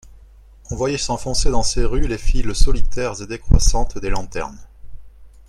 On voyait s'enfoncer dans ces rues les files solitaires et décroissantes des lanternes.